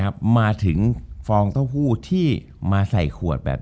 จบการโรงแรมจบการโรงแรม